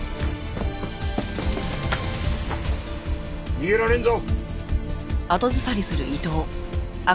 逃げられんぞ！